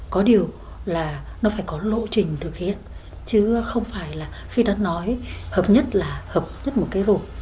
có điều là nó phải có lộ trình thực hiện chứ không phải là khi ta nói hợp nhất là hợp nhất một cái rồi